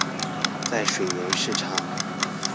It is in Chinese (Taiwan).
在水源市場